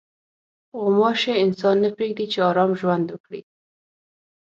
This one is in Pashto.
غوماشې انسان نه پرېږدي چې ارام ژوند وکړي.